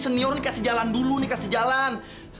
senior dikasih jalan dulu nih kasi jalan